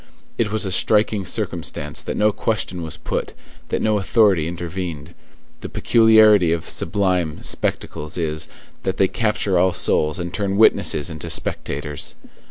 It was a striking circumstance that no question was put, that no authority intervened. The peculiarity of sublime spectacles is, that they capture all souls and turn witnesses into spectators.